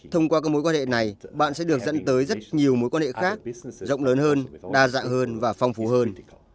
thông qua các mối quan hệ này bạn sẽ được dẫn tới rất nhiều mối quan hệ khác rộng lớn hơn đa dạng hơn và phong phú hơn